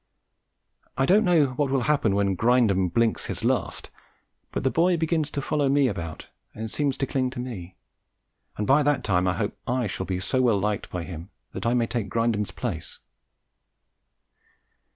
I don't know what will happen when Grindum "blinks his last," but the boy begins to follow me about and seems to cling to me, and by that time I hope I shall be so well liked by him that I may take Grindum's place.